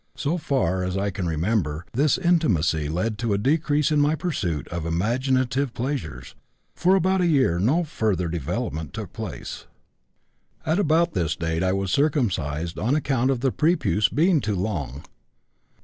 So far as I can remember, this intimacy led to a decrease in my pursuit of imaginative pleasures; for about a year no further development took place. "At about this date I was circumcised on account of the prepuce being too long.